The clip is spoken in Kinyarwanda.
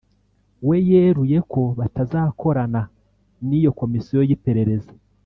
we yeruye ko batazakorana n’iyo komisiyo y’iperereza